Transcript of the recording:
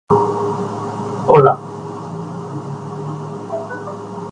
The entire road is in the City of Willoughby local government area.